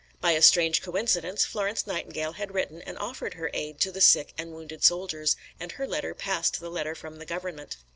By a strange coincidence Florence Nightingale had written and offered her aid to the sick and wounded soldiers, and her letter passed the letter from the Government.